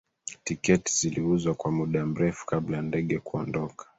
tiketi ziliuzwa kwa muda mrefu kabla ya ndege kuondoka